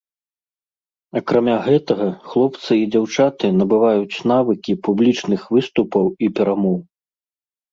Акрамя гэтага, хлопцы і дзяўчаты набываюць навыкі публічных выступаў і перамоў.